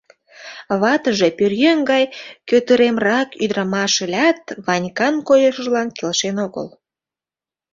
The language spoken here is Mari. Ватыже пӧръеҥ гай кӧтыремрак ӱдырамаш ылят, Ванькан койышыжлан келшен огыл.